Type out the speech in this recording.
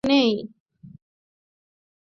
নতুন করে আমার কিছু বলার নেই।